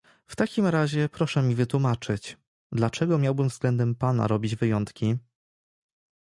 "W takim razie proszę mi wytłumaczyć, dlaczego miałbym względem pana robić wyjątki?"